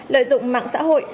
lợi dụng mạng xã hội